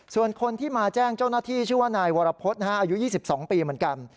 ส่วนคนที่มาแจ้งเจ้าหน้าที่ชื่อว่านายวรพฤษอายุ๒๒ปีเหมือนกัน